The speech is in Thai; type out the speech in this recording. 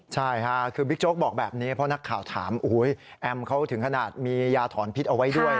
ใช่ค่ะคือบิ๊กโจ๊กบอกแบบนี้เพราะนักข่าวถามแอมเขาถึงขนาดมียาถอนพิษเอาไว้ด้วย